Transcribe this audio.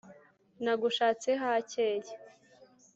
Nagushatse hakeye,